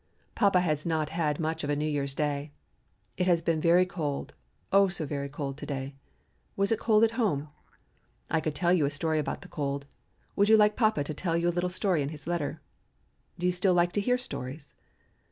Papa has not had much of a New Year's Day. It has been so cold, oh so very cold to day. Was it cold at home? I could tell you a story about the cold. Would you like papa to tell you a little story in his letter? Do you still like to hear stories?